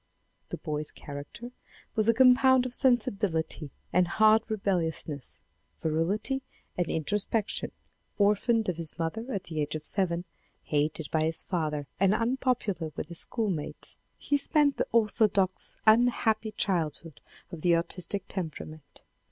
The boy's character was a compound of sensibility and hard rebelliousness, virility and introspection. Orphaned of his mother at the age vi. INTRODUCTION of seven, hated by his father and unpopular with his schoolmates, he spent the orthodox unhappy childhood of the artistic temperament.